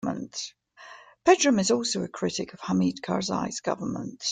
Pedram is also a critic of Hamid Karzai's government.